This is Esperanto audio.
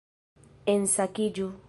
Ensakiĝu